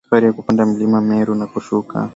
Safari ya kuupanda Mlima Meru na kushuka